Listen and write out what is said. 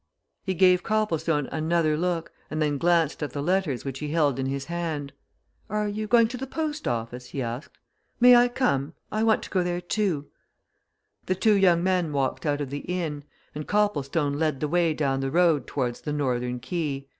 He gave Copplestone another look and then glanced at the letters which he held in his hand. "Are you going to the post office?" he asked. "May I come? I want to go there, too." The two young men walked out of the inn, and Copplestone led the way down the road towards the northern quay.